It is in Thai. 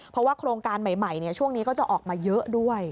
เพราะว่าโครงการใหม่ช่วงนี้ก็จะออกมาเยอะด้วย